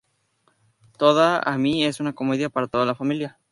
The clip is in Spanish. Todas a mí es una comedia, para toda la familia.